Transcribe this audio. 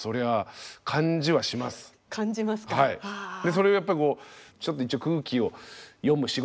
それをやっぱこうちょっと空気を読むんだけど。